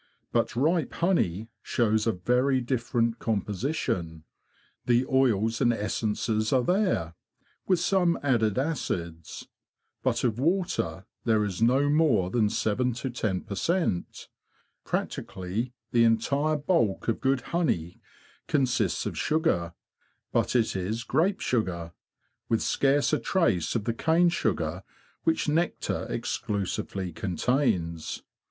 But ripe honey shows a very different composition. The oils and essences are there, with some added acids; but of water there is no more than seven to ten per cent; practically the entire bulk of good honey consists of sugar, but it is grape sugar, with scarce a trace of the cane sugar which nectar exclusively contains.